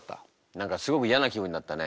何かすごくいやな気分になったね。